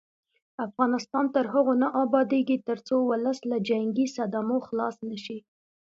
افغانستان تر هغو نه ابادیږي، ترڅو ولس له جنګي صدمو خلاص نشي.